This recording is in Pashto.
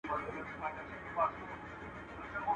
زه دي پر ايمان شک لرم، ته مريدان راته نيسې.